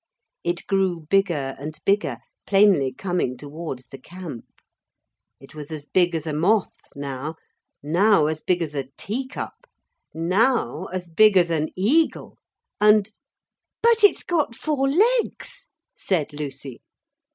It grew bigger and bigger, plainly coming towards the camp. It was as big as a moth now, now as big as a teacup, now as big as an eagle, and 'But it's got four legs,' said Lucy.